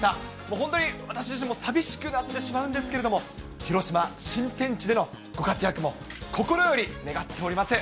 本当に私自身も寂しくなってしまうんですけれども、広島、新天地でのご活躍も心より願っております。